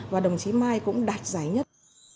và đồng chí mai cũng đạt giải nhất